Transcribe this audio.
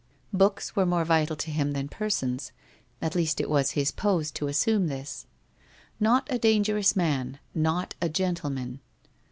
Books were more vital to him than persons, at least it was his pose to assume this. Not a dangerous man, not a gentleman!